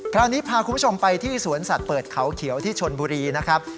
คราวนี้พาคุณผู้ชมไปที่สวนสัตว์เปิดเขาเขียวที่ชนบุรีนะครับ